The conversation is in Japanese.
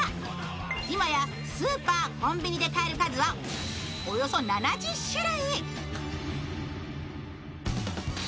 今やスーパー、コンビニで買える数はおよそ７０種類。